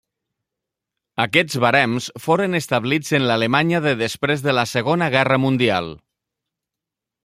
Aquests barems foren establits en l'Alemanya de després de la Segona guerra mundial.